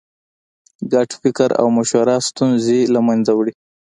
ګډ فکر او مشوره ستونزې له منځه وړي.